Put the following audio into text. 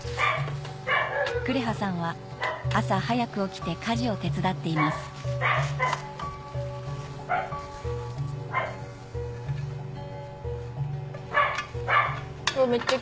くれはさんは朝早く起きて家事を手伝っていますうわ